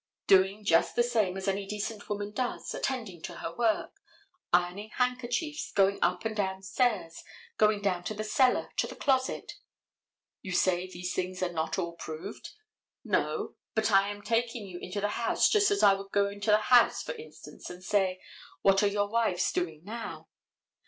Doing just the same as any decent woman does, attending to her work. Ironing handkerchiefs, going up and down stairs, going down to the cellar, to the closet. You say these things are not all proved? No, but I am taking you into the house just as I would go into the house, for instance, and say, what are your wives doing now?